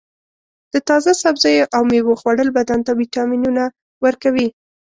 د تازه سبزیو او میوو خوړل بدن ته وټامینونه ورکوي.